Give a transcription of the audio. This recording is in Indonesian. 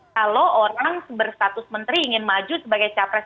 kalau orang berstatus menteri ingin maju sebagai capres